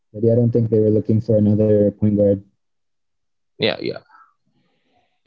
tapi gue gak pikir mereka mencari pemain lagi